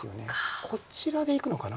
こちらでいくのかな？